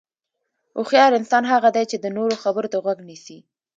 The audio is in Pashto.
هوښیار انسان هغه دی چې د نورو خبرو ته غوږ نیسي.